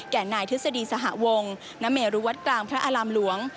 นายทฤษฎีสหวงณเมรุวัดกลางพระอารามหลวง